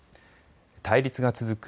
対立が続く